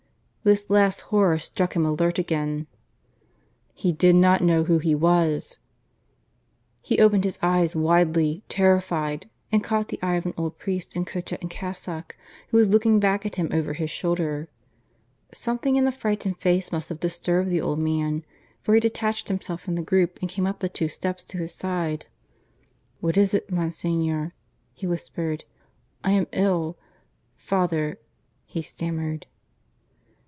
This last horror struck him alert again. He did not know who he was. He opened his eyes widely, terrified, and caught the eye of an old priest in cotta and cassock who was looking back at him over his shoulder. Something in the frightened face must have disturbed the old man, for he detached himself from the group and came up the two steps to his side. "What is it, Monsignor?" he whispered. "I am ill ... I am ill ... father," he stammered.